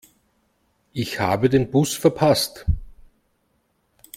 Ich habe den Bus verpasst.